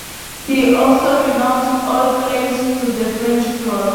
He also renounced all claims to the French throne.